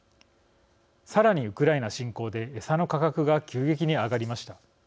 さらにウクライナ侵攻でエサの価格が急激に上がりました。